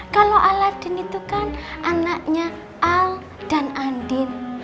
kalau aladin itu kan anaknya al dan andin